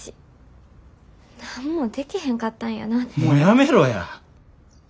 もうやめろや！